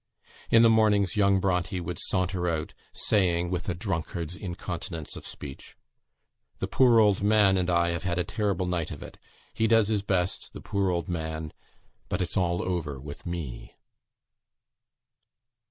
In the mornings young Bronte would saunter out, saying, with a drunkard's incontinence of speech, "The poor old man and I have had a terrible night of it; he does his best the poor old man! but it's all over with me."